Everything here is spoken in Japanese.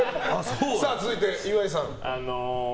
続いて、岩井さん。